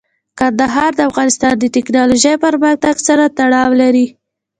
کندهار د افغانستان د تکنالوژۍ پرمختګ سره تړاو لري.